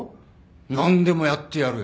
何でもやってやるよ。